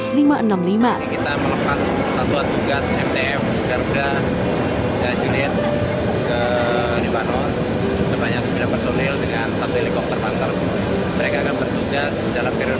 suasana haru dan sedih menyelimuti base ops lanudal juanda surabaya minggu pagi saat keluarga dan istri sembilan prajurit awak helikopter panther as lima ratus enam puluh lima mengantarkan para prajurit tersebut masuk ke dalam pesawat